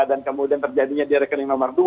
dan kemudian terjadinya di rekening nomor dua